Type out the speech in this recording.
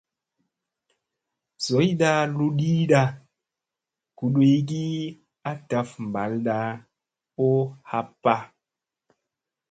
Zoyda ludiida guduygi a ɗaf balda u happa.